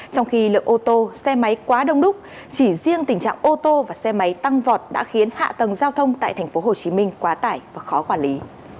trong khi lượng ô tô xe máy quá đông đúc chỉ riêng tình trạng ô tô và xe máy tăng vọt đã khiến hạ tầng giao thông tại tp hcm quá tải và khó quản lý